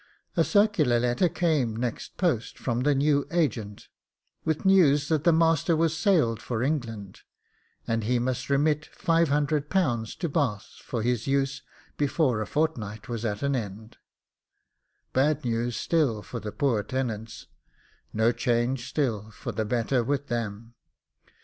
A circular letter came next post from the new agent, with news that the master was sailed for England, and he must remit £500 to Bath for his use before a fortnight was at an end; bad news still for the poor tenants, no change still for the better with them.